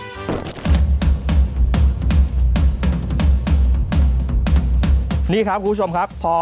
ส่วนผสมจะไม่เข้ากันถือว่าใช้ไม่ได้นะครับ